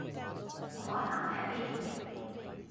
同我行埋一便